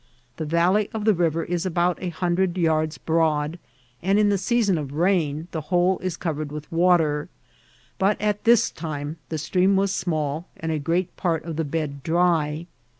The valley of the river is about a hundred yards broad, and in the season ci rain the whole is covered with water ; but at this time the stream was small, and a great part of its bed vatukb's solitudb. S97 dry.